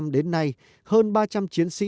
đến nay hơn ba trăm linh chiến sĩ